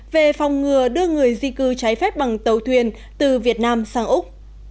về phòng ngừa đưa người di cư trái phép bằng tàu thuyền từ việt nam sang úc